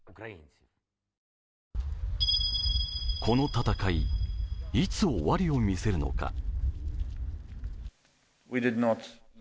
この戦い、うち終わりを見せるのか？